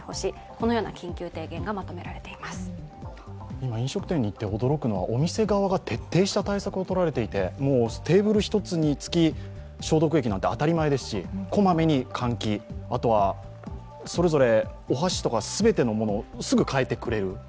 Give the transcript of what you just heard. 今飲食店に行って驚くのは、お店側が徹底した対策を取られていて、テーブル一つにつき消毒液なんて当たり前ですしこまめに換気、あとはそれぞれお箸とか全てのものをすぐ代えてくれる。